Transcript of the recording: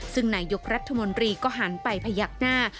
ซึ่งนายกรัฐมนตรีก็หันไปพยักหน้า